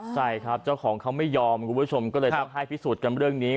ใช่ครับเจ้าของเขาไม่ยอมคุณผู้ชมก็เลยต้องให้พิสูจน์กันเรื่องนี้